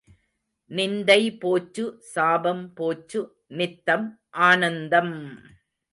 நிந்தை போச்சு சாபம் போச்சு நித்தம் ஆனந்தம்!